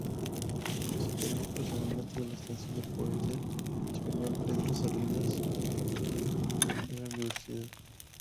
Se encargó personalmente de la estancia del poeta español Pedro Salinas en la Universidad.